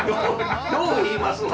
よう言いますわ。